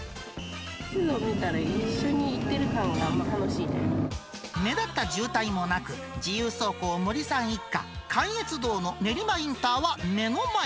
地図見てたら、一緒に行って目立った渋滞もなく、自由走行、森さん一家、関越道の練馬インターは目の前。